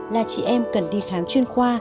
là chị em cần đi khám chuyên khoa